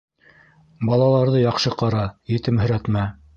Балаларҙы яҡшы ҡара, етемһерәтмә.